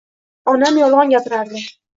Onam yolg‘on gapirardi.